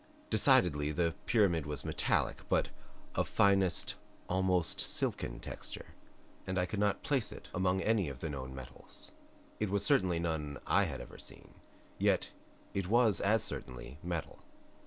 Decidedly the pyramid was metallic, but of finest, almost silken texture and I could not place it among any of the known metals. It certainly was none I had ever seen; yet it was as certainly metal.